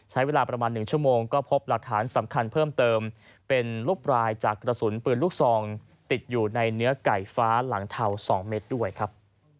ใช้เวลาประมาณ๑ชั่วโมงก็พบหลักฐานสำคัญเพิ่มเติมเป็นลูกปลายจากกระสุนปืนลูกซองติดอยู่ในเนื้อไก่ฟ้าหลังเทา๒เมตรด้วยครับ